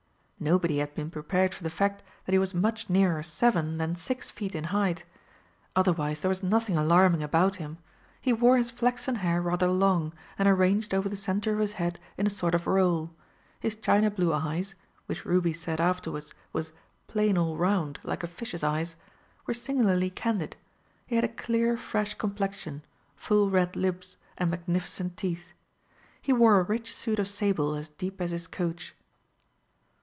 Nobody had been prepared for the fact that he was much nearer seven than six feet in height. Otherwise there was nothing alarming about him; he wore his flaxen hair rather long and arranged over the centre of his head in a sort of roll; his china blue eyes (which Ruby said afterwards was "plain all round, like a fish's eyes") were singularly candid; he had a clear, fresh complexion, full red lips, and magnificent teeth. He wore a rich suit of sable as deep as his coach.